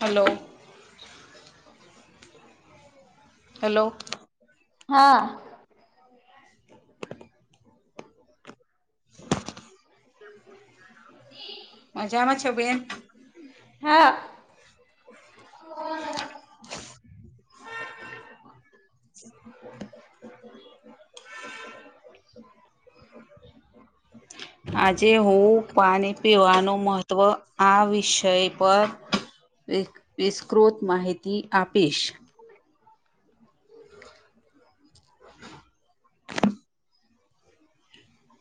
Hello. Hello. હા. [unintelligible] મજામાં છો બેન? હા. [unintelligible] આજે હું પાણી પીવાનું મહત્ત્વ આ વિષય પર વી વિસ્કૃત માહિતી આપીશ. [unintelligible]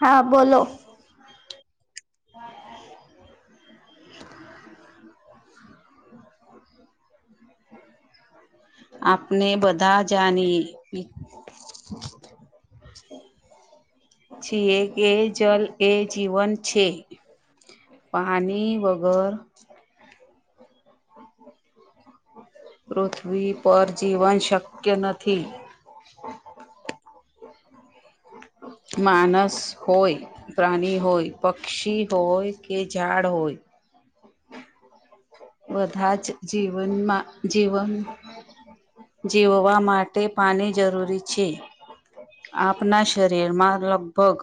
હા બોલો. [unintelligible] [unintelligible] આપને બધા જાનીએ ઈ છીએ કે જલ એ જીવન છે. પાની વગર પૃથ્વી પર જીવન શક્ય નથી. માનસ હોય પ્રાની હોય પક્ષી હોય કે ઝાડ હોય બધા જ જીવનમાં જીવન જીવવા માટે પાની જરૂરી છે. આપના શરીર માં લગભગ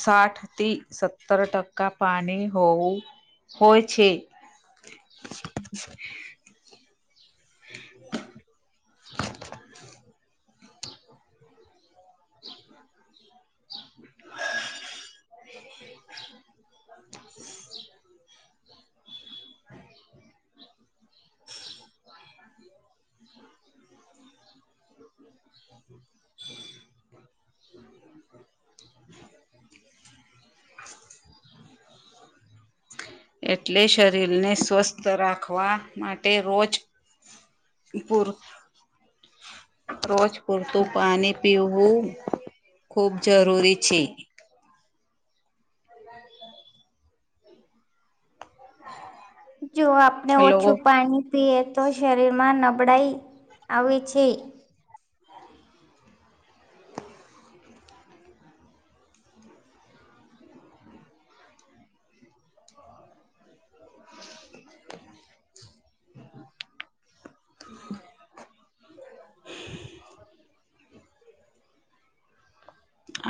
સાઠ થી સત્તર ટકા પાની હોવું હોય છે. હમ. [unintelligible] [unintelligible] એટલે શરીરને સ્વસ્થ રાખવા માટે રોજ પૂર રોજ પૂરતું પાની પીવવું ખૂબ જરૂરી છે. જો આપને લોકો ઓછું પાની પીએ તો શરીરમાં નબળાઈ આવે છે. હ.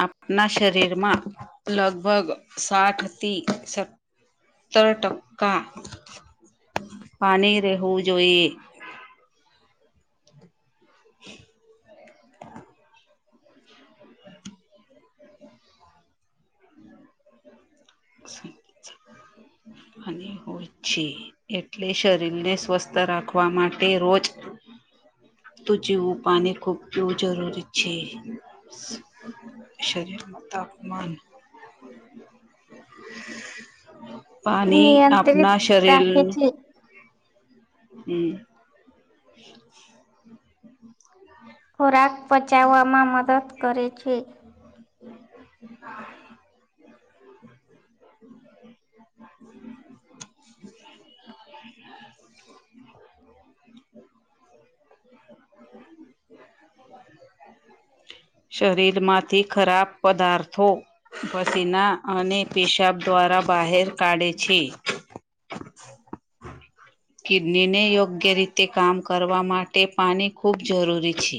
આપણા શરીરમાં લગભગ સાઠ થી સ તર ટંકા પાણી રહેવું જોઈએ. [unintelligible] અને હોય છે. એટલે શરીરને સ્વસ્થ રાખવા માટે રોજ. તો જીવું પાણી ખૂબ એવું જરૂરી છે. શરી તાપમાન. પાણી નિયંત્રિત આપણા શરીર. રાખે છે હમ. હ. ખોરાક પચાવવામાં મદદ કરે છે. હ. હ. શરીરમાંથી ખરાબ પદાર્થો. પસીના અને પિશાબ દ્વારા બહાર કાઢે છે. કિડનીને યોગ્ય રીતે કામ કરવા માટે પાણી ખૂબ જરૂરી છે.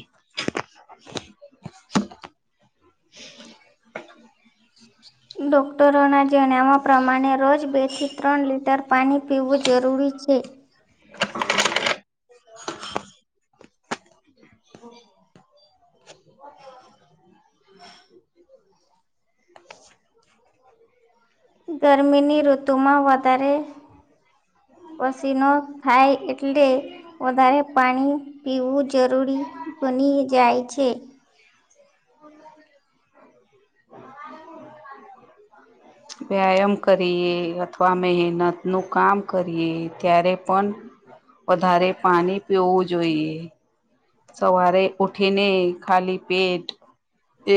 હમ. ડોક્ટરોના જણાવ્યા પ્રમાણે રોજ બેથી ત્રણ લીટર પાણી પીવું જરૂરી છે. [unintelligible] તો. હમ. હ. [unintelligible] ગરમીની ઋતુમાં વધારે. પસીનો થાય એટલે. વધારે પાણી પીવું જરૂરી બની જાય છે. [unintelligible] વ્યાયામ કરીએ અથવા મહેનતનું કામ કરીએ ત્યારે પણ. વધારે પાણી પીવું જોઈએ. સવારે ઉઠીને ખાલી પેટ.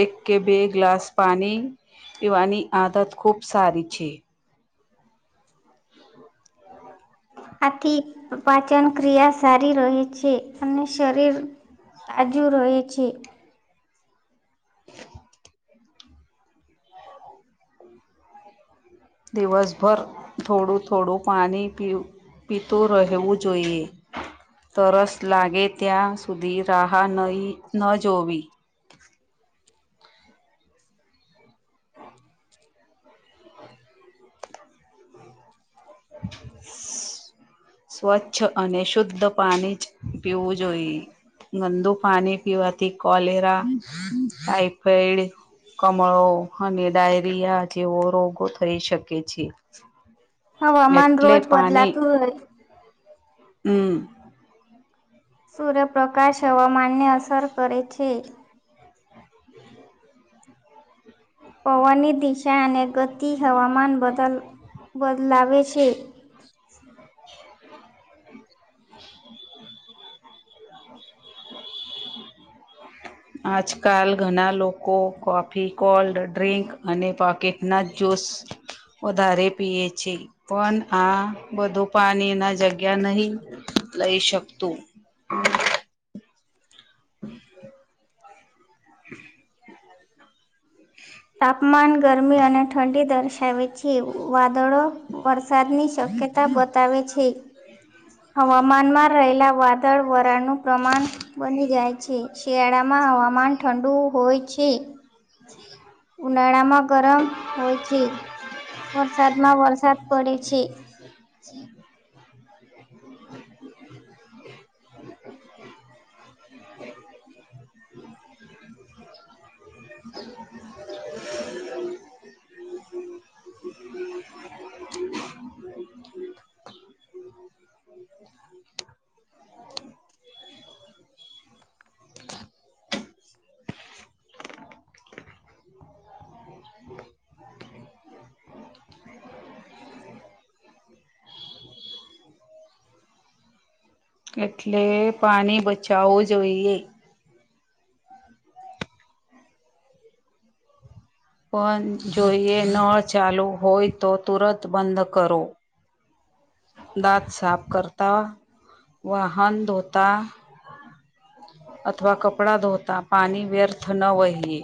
એક કે બે ગ્લાસ પાણી પીવાની આદત ખૂબ સારી છે. [unintelligible] આથી પાચન ક્રિયા સારી રહે છે અને શરીર. તાજુ રહી છે. [unintelligible] દિવસભર થોડું થોડું પાણી પીવું, પીતું રહેવું જોઈએ. તરસ લાગે ત્યાં સુધી રાહા નહી ન જોવી. [inaudible] સ્વચ્છ અને શુદ્ધ પાણી જ પીવું જોઈએ. ગંદુ પાણી પીવાથી કોલેરા, ટાઈફાઈડ, કમળો અને ડાયરિયા જેવો રોગો થઈ શકે છે. [inaudible] હવામાન રોજ એટલે બદલાતું હોય, હમ્મ. સૂર્યપ્રકાશ હવામાનને અસર કરે છે. પવનની દિશા અને ગતિ હવામાન બદલ-બદલાવે છે. આજકાલ ઘણા લોકો કોફી કોલ્ડ ડ્રિંક અને પોકેટ ના જોશ વધારે પી એ છે પન આ બધું પાની ના જ ગ્યા નહીં લઈ શકતું. [inaudible] તાપમાન ગરમી અને ઠંડી દર્શાવે છે. વાદળો વરસાદની શક્યતા બતાવે છે. હવામાનમાં રહેલા વાદળ વરાળનું પ્રમાણ બની જાય છે. શિયાળામાં હવામાન ઠંડુ હોય છે. છે. ઉનાળા માં ગરમ હોય છે. વરસાદ માં વરસાદ પડે છે. [inaudible] [inaudible] [inaudible] [inaudible] [inaudible] [inaudible] એટલે પાણી બચાવવું જોઈએ. [inaudible] પણ જોઈએ નળ ચાલુ હોય તો તુરંત બંધ કરો. દાંત સાફ કરતા વાહન ધોતા અથવા કપડા ધોતા પાણી વ્યર્થ ન વહીયે.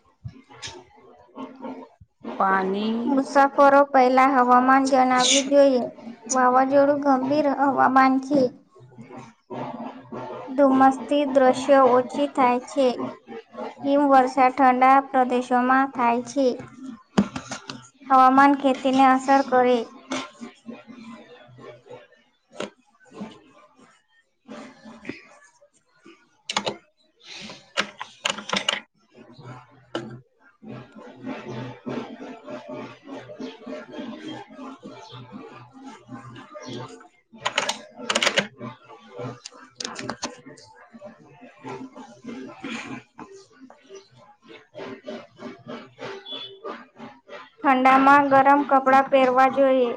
[inaudible] પાની મુસાફરો પહેલા હવામાન જણાવ્યું જોઈએ. વાવાઝોડું ગંભીર હવામાન છે. થી દ્રશ્યો ઓછી થાય છે. હિમવર્ષા ઠંડા પ્રદેશોમાં થાય છે. હવામાન ખેતી ને અસર કરે ઠંડા માં ગરમ કપડા પહેરવા જોઈએ.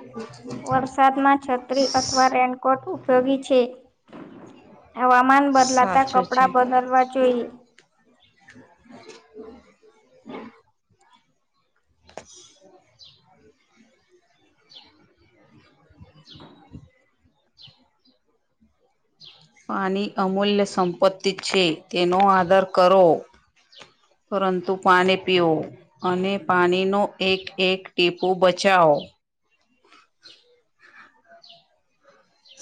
વરસાદમાં છત્રી અથવા રેનકોટ ઉપયોગી છે. હવામાન બદલાતા સાચું છે કપડાં બદલવા જોઈએ. પાની અમૂલ્ય સંપત્તિ છે. તેનો આદર કરો. પરંતુ પાણી પીવું અને પાણીનો એક એક ટીપું બચાઓ.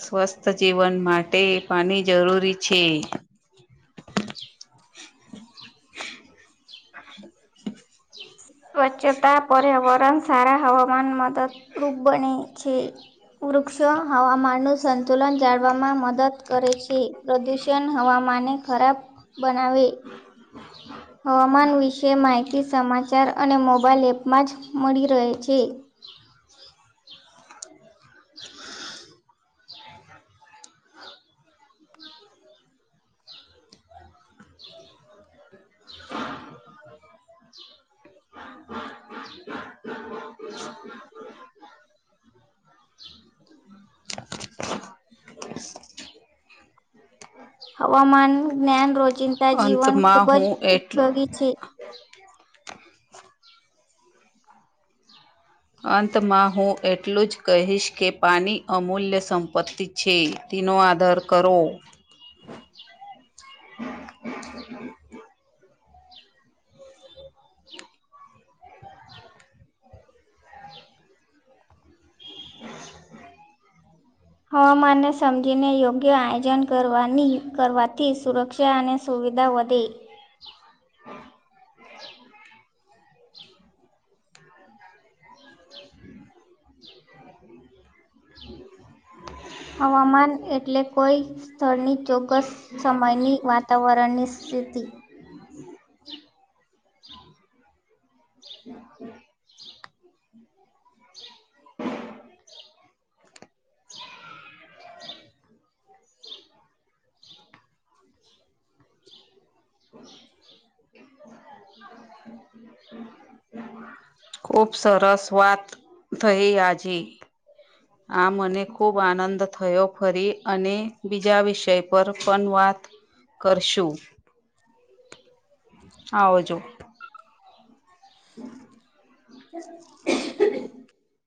સ્વસ્થ જીવન માટે પાની જરૂરી છે. સ્વચ્છતા પર્યાવરણ સારા હવામાન મદદરૂપ બની છે. વૃક્ષો હવામાનનું સંતુલન જાળવામાં મદદ કરે છે. પ્રદુષણ હવામાન ને ખરાબ બનાવે. હવામાન વિશે માહિતી સમાચાર અને મોબાઈલ એપમાં જ મળી રહે છે. હવામાન જ્ઞાન રોજિંદા જીવન અંતમાં ખુબ જ હું એટ ઉપયોગી છે. [inaudible] અંતમા હુ એટલુ જ કહીશ કે પાની અમૂલ્ય સંપત્તિ છે તેનો આદર કરો. હવામાનને સમજીને યોગ્ય આયોજન કરવાની કરવાથી સુરક્ષા અને સુવિધા વધે. [unintelligible] હવામાન એટલે કોઈ સ્થળની ચોકસ સમયની વાત તાવરણ ની સ્થિતી. [inaudible] [unintelligible] [inaudible] ખુબ સરસ વાત થઈ આજે. આ મને ખૂબ આનંદ થયો ફરી અને બીજા વિષય પર પન વાત કરશુ. આવજો. [unintelligible]